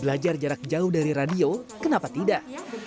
belajar jarak jauh dari radio kenapa tidak